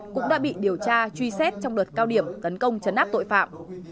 cũng đã bị điều tra truy xét trong đợt cao điểm tấn công chấn áp tội phạm